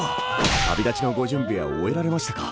旅立ちのご準備は終えられましたか？